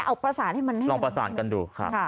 เอาประสานให้มันได้หรือไม่พอค่ะเอาลองประสานกันดู